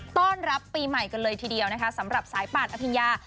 ต้อนรับปีใหม่กันเลยทีเดียวนะคะสำหรับสายป่านอภิญญา